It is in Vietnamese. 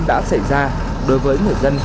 đã xảy ra đối với người dân